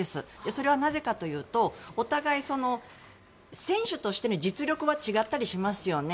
それはなぜかというとお互い、選手としての実力は違ったりしますよね。